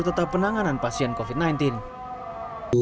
tetap penanganan pasien covid sembilan belas